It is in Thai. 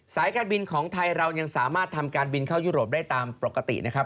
สายการบินของไทยเรายังสามารถทำการบินเข้ายุโรปได้ตามปกตินะครับ